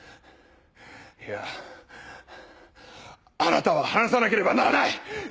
いやあなたは話さなければならない！